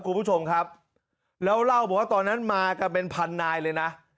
คุณผู้ชมครับแล้วเล่าบอกว่าตอนนั้นมากันเป็นพันนายเลยนะ